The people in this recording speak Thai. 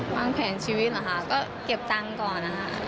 วางแผนชีวิตเหรอคะก็เก็บตังค์ก่อนนะคะ